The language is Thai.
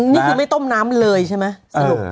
นี่คือไม่ต้มน้ำเลยใช่ไหมสรุป